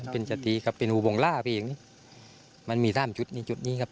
เป็นสตรีครับเป็นหูวงล่าไปอย่างนี้มันมีสามจุดนี่จุดนี้ครับ